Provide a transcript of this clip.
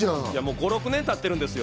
５６年経ってるんですよ。